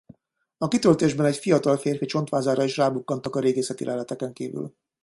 A kitöltésben egy fiatal férfi csontvázára is rábukkantak a régészeti leleteken kívül.